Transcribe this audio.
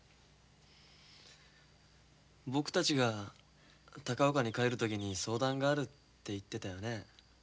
僕たちが高岡に帰る時に相談があるって言ってたよね。